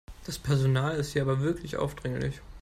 Das Personal ist hier aber wirklich aufdringlich.